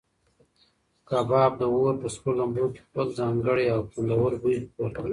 کباب د اور په سرو لمبو کې خپل ځانګړی او خوندور بوی خپور کړ.